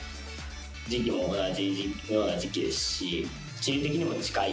時期も同じような時期ですし、地理的にも近い。